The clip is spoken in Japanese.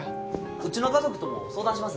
うちの家族とも相談します